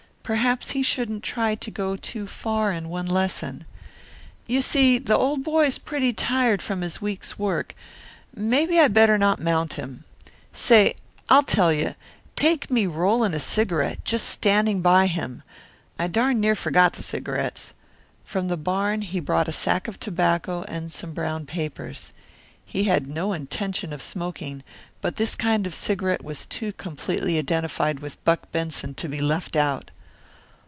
Perhaps he shouldn't try to go too far in one lesson. "You see, the old boy's pretty tired from his week's work. Maybe I better not mount him. Say, I'll tell you, take me rolling a cigarette, just standing by him. I darned near forgot the cigarettes." From the barn he brought a sack of tobacco and some brown papers. He had no intention of smoking, but this kind of cigarette was too completely identified with Buck Benson to be left out.